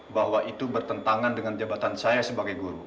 bahwa itu bertentangan dengan jabatan saya sebagai guru